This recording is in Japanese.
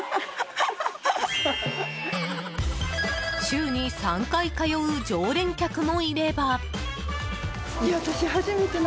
週に３回通う常連客もいれば。